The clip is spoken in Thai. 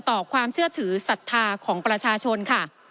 ต่อความเชื่อถือศรัทธาของประชาชนค่ะ